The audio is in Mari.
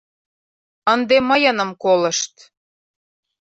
Ынде мыйыным колышт.